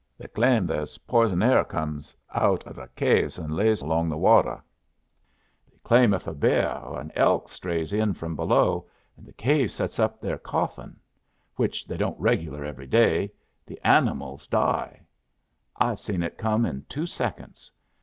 They claim there's poison air comes out o' the caves and lays low along the water. They claim if a bear or an elk strays in from below, and the caves sets up their coughin', which they don't regular every day, the animals die. I have seen it come in two seconds.